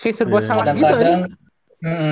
kayak serba salah gitu